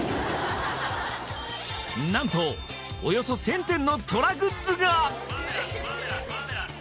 何とおよそ１０００点のトラグッズが！